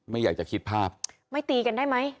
ไม่อยากจะคิดภาพไม่ตีกันได้ไหม